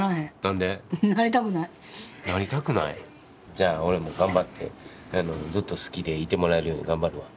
じゃあ俺も頑張ってずっと好きでいてもらえるように頑張るわ。